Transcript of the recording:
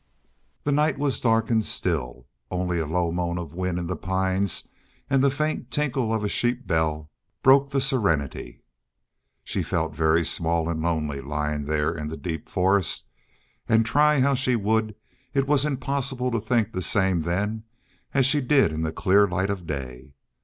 The night was dark and still. Only a low moan of wind in the pines and the faint tinkle of a sheep bell broke the serenity. She felt very small and lonely lying there in the deep forest, and, try how she would, it was impossible to think the same then as she did in the clear light of day.